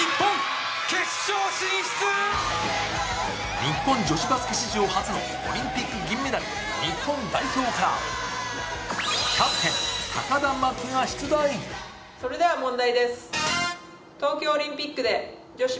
日本女子バスケ史上初のオリンピック銀メダルの日本代表からキャプテン・高田真希が出題。